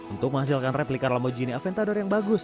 untuk menghasilkan replika lambogini aventador yang bagus